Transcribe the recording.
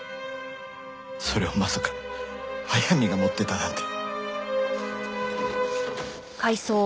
それをまさか速水が持ってたなんて。